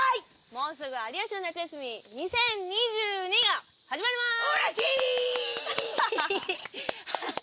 もうすぐ『有吉の夏休み２０２２』が始まります！